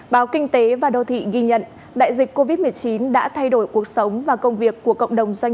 báo kinh tế và đô thị ghi nhận đại dịch covid một mươi chín đã thay đổi cuộc sống và công việc của cộng đồng doanh